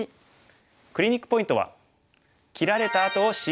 クリニックポイントは。